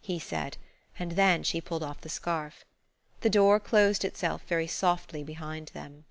he said, and then she pulled off the scarf. The door closed itself very softly behind them.